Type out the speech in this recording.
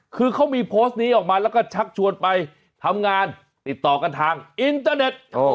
คือเขามีโพสต์นี้ออกมาแล้วก็ชักชวนไปทำงานติดต่อกันทางอินเตอร์เน็ต